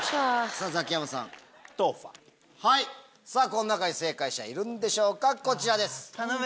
この中に正解者いるでしょうかこちらです。